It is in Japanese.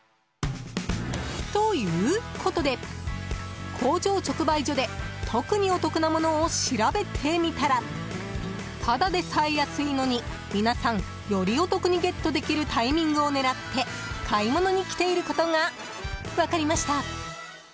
ということで、工場直売所で特にお得なものを調べてみたらただでさえ安いのに皆さん、よりお得にゲットできるタイミングを狙って買い物に来ていることが分かりました。